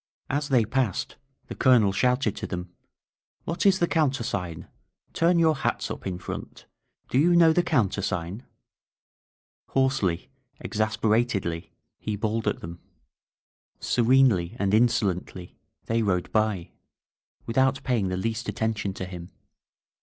As they passed the Colonel shouted to them: "What is the counter sign? Turn your hats up in front! Do you know the countersign?" Hoarsely, exasperatedly, he bawled 207 IXSURGEXT 3IEXICO mt fhtOL Sonendy and iiiMdeiitlj thej rode by, with ont paying the least attentioii to him.